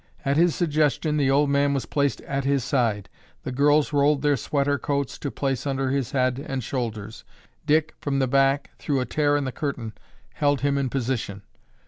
At his suggestion the old man was placed at his side. The girls rolled their sweater coats to place under his head and shoulders. Dick, from the back, through a tear in the curtain, held him in position.